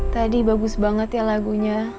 tadi bagus banget ya lagunya